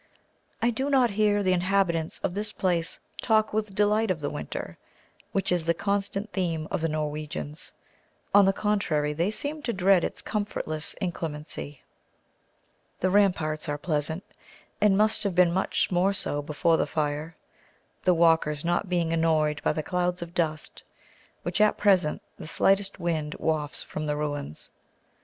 I do not hear the inhabitants of this place talk with delight of the winter, which is the constant theme of the Norwegians; on the contrary, they seem to dread its comfortless inclemency. The ramparts are pleasant, and must have been much more so before the fire, the walkers not being annoyed by the clouds of dust which, at present, the slightest wind wafts from the ruins.